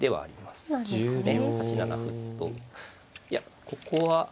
いやここは。